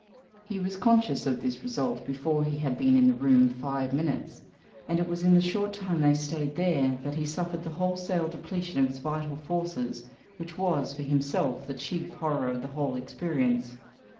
He was conscious of this result before he had been in the room five minutes, and it was in the short time they stayed there that he suffered the wholesale depletion of his vital forces, which was, for himself, the chief horror of the whole experience.